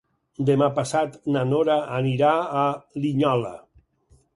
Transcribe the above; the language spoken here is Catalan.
Demà passat na Nora anirà a Linyola.